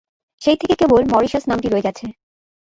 সেই থেকে কেবল মরিশাস নামটি রয়ে গেছে।